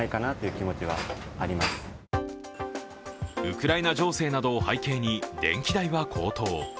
ウクライナ情勢などを背景に電気代は高騰。